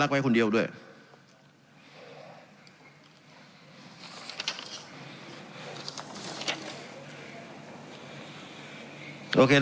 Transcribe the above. การปรับปรุงทางพื้นฐานสนามบิน